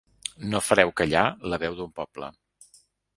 No fareu callar la veu d'un poble.